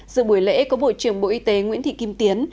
dự buổi lễ có bộ trưởng bộ y tế nguyễn thị kim tiến